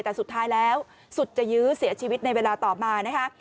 แต่สุดท้ายแล้วสุดจะยื้อเสียชีวิตในเวลาต่อมานะคะ